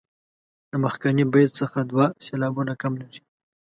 د مخکني بیت څخه دوه سېلابونه کم لري.